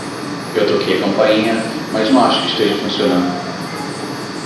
Eu toquei a campainha, mas não acho que esteja funcionando.